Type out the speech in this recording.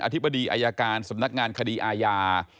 ธิบดีอายการสำนักงานคดีอาญา